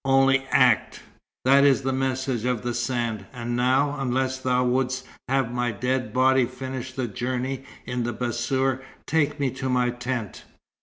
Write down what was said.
Only act! That is the message of the sand. And now, unless thou wouldst have my dead body finish the journey in the bassour, take me to my tent."